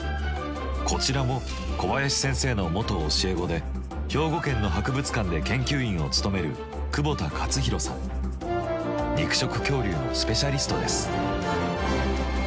こちらも小林先生の元教え子で兵庫県の博物館で研究員を務める肉食恐竜のスペシャリストです。